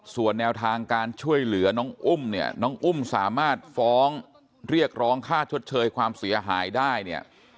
ส่วนแนวทางการช่วยเหลือน้องอุ้มเนี่ยน้องอุ้มสามารถฟ้องเรียกร้องค่าชดเชยความเสียหายได้เนี่ย